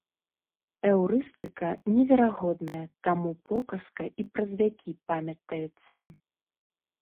Эўрыстыка неверагодная, таму показка і праз вякі памятаецца.